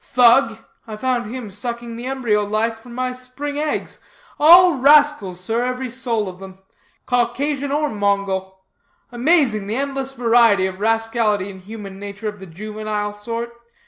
Thug! I found him sucking the embryo life from my spring eggs. All rascals, sir, every soul of them; Caucasian or Mongol. Amazing the endless variety of rascality in human nature of the juvenile sort.